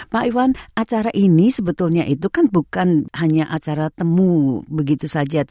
pak ivan acara ini sebetulnya itu kan bukan hanya acara temu begitu saja